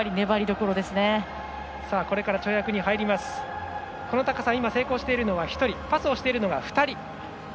この高さ、成功しているのは１人パスをしているのが２人。